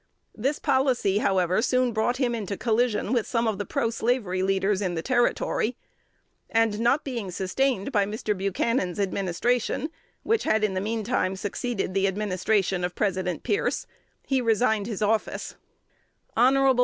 This policy, however, soon brought him into collision with some of the proslavery leaders in the Territory; and, not being sustained by Mr. Buchanan's administration, which had in the mean time succeeded the administration of President Pierce, he resigned his office. Hon.